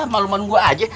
ah makluman gue aja